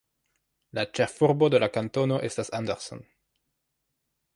La ĉefurbo de la kantono estas Anderson.